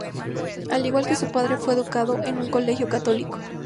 Al igual que su padre, fue educado en un colegio católico.